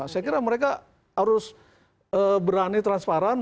saya kira mereka harus berani transparan